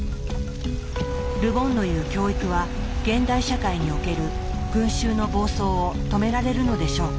ル・ボンの言う「教育」は現代社会における群衆の暴走を止められるのでしょうか？